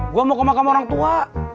gue mau ke makam orang tua